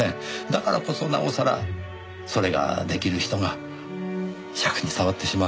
だからこそなおさらそれができる人が癪に障ってしまう。